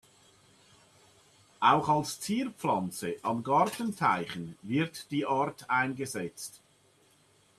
Auch als Zierpflanze an Gartenteichen wird die Art eingesetzt.